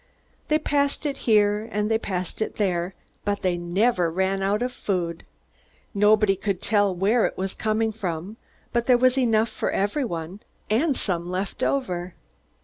They passed it here and they passed it there, but they never ran out of food. Nobody could tell where it was coming from, but there was enough for everyone and some left over.